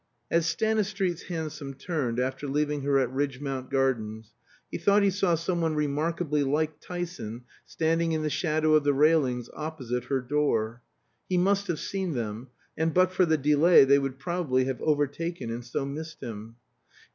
As Stanistreet's hansom turned after leaving her at Ridgmount Gardens, he thought he saw some one remarkably like Tyson standing in the shadow of the railings opposite her door. He must have seen them; and but for the delay they would probably have overtaken and so missed him.